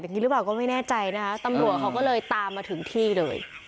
อย่างนี้หรือเปล่าก็ไม่แน่ใจนะคะตำรวจเขาก็เลยตามมาถึงที่เลย